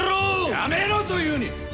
やめろというに！